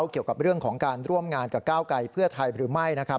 เกี่ยวกับเรื่องของการร่วมงานกับก้าวไกลเพื่อไทยหรือไม่นะครับ